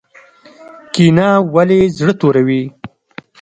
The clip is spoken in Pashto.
کینه ولې زړه توروي؟